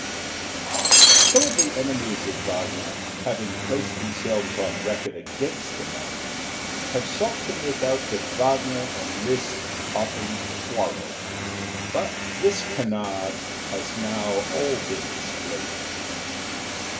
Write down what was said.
Some of the enemies of Wagner, having placed themselves on record against the man, have sought to make out that Wagner and Liszt often quarreled, but this canard has now all been exploded.